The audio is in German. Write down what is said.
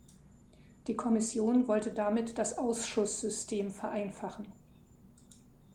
Die Kommission wollte damit das Ausschuss-System vereinfachen.